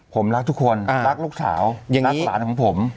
ผมรักทุกคนรักลูกสาวรักหลานของผม